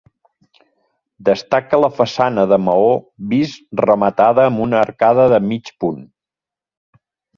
Destaca la façana de maó vist rematada amb una arcada de mig punt.